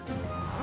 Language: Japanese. あ。